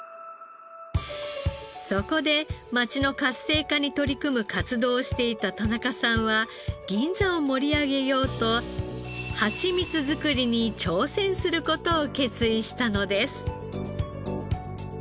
そこで街の活性化に取り組む活動をしていた田中さんは銀座を盛り上げようとハチミツ作りに挑戦する事を決意したのです。